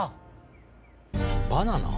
バナナ？